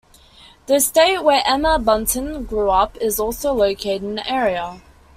The estate where Emma Bunton grew up is also located in the area.